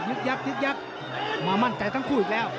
ยุคยักษ์มามั่งแต่ทั้งคู่อีกแล้ว